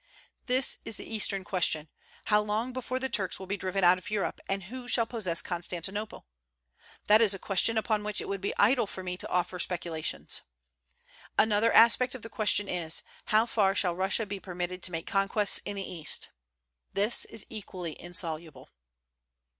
This is the "Eastern Question," How long before the Turks will be driven out of Europe, and who shall possess Constantinople? That is a question upon which it would be idle for me to offer speculations. Another aspect of the question is, How far shall Russia be permitted to make conquests in the East? This is equally insoluble.